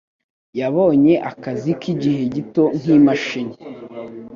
Yabonye akazi k'igihe gito nk'imashini.